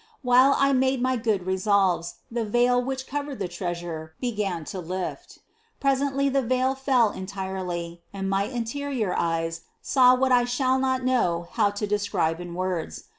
While I made my good resolves, the veil which covered the treasure, began to be lifted. Presently the veil fell entirely and my interior eyes saw what I shall not know how to de scribe in words.